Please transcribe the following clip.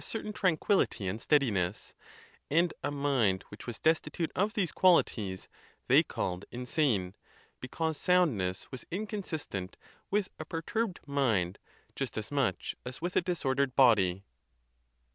95 tain tranquillity and steadiness; and a mind which was destitute of these qualities they called insane, because soundness was inconsistent with a perturbed mind just as much as with a disordered body.